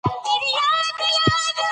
د پروژو اغېز د فساد زمینه برابروي.